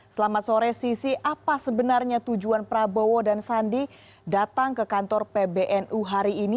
selamat sore sisi apa sebenarnya tujuan prabowo dan sandi datang ke kantor pbnu hari ini